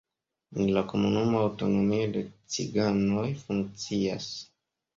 En la komunumo aŭtonomio de ciganoj funkcias.